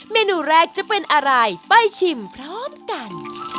เมนูแรกจะเป็นอะไรไปชิมพร้อมกัน